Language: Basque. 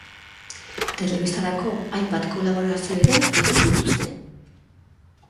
Telebistarako hainbat kolaborazio ere egin dituzte.